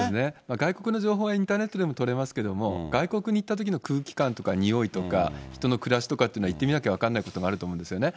外国の情報はインターネットでも取れますけども、外国に行ったときの空気感とか匂いとか、人の暮らしとかっていうのは、行ってみなきゃ分からないということもあると思うんですよね。